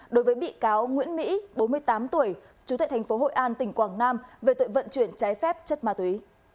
đối với bị cáo nguyễn mỹ bốn mươi tám tuổi chú tại thành phố hội an tỉnh quảng nam về tội vận chuyển trái phép chất ma túy